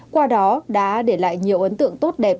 qua đó đã để lại nhiều ấn tượng tốt đẹp